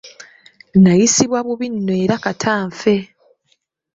Nayisibwa bubi nno era kata nfe.